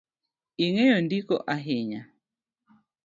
Ing’eyo ndiko ahinya